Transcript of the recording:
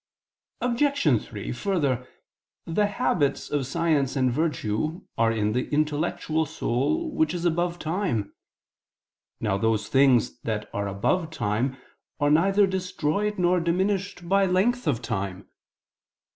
Obj. 3: Further, the habits of science and virtue are in the intellectual soul which is above time. Now those things that are above time are neither destroyed nor diminished by length of time.